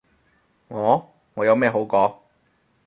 我？我有咩好講？